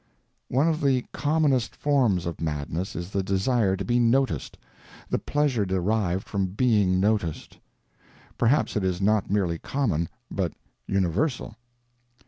One of the commonest forms of madness is the desire to be noticed, the pleasure derived from being noticed. Perhaps it is not merely common, but universal.